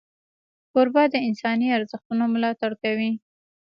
کوربه د انساني ارزښتونو ملاتړ کوي.